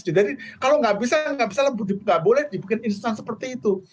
kalau gak bisa gak boleh dibuat instan seperti itu